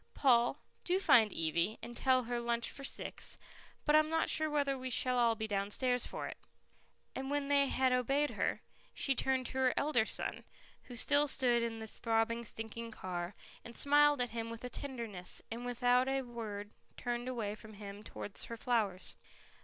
Paul, do find Evie, and tell her lunch for six, but I'm not sure whether we shall all be downstairs for it." And when they had obeyed her, she turned to her elder son, who still stood in the throbbing stinking car, and smiled at him with tenderness, and without a word, turned away from him towards her flowers.